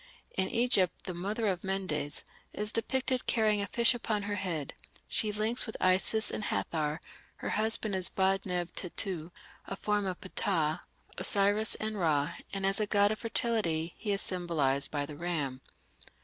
In Egypt the "Mother of Mendes" is depicted carrying a fish upon her head; she links with Isis and Hathor; her husband is Ba neb Tettu, a form of Ptah, Osiris, and Ra, and as a god of fertility he is symbolized by the ram.